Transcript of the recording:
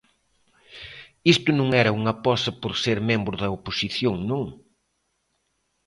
Isto non era unha pose por ser membro da oposición, non.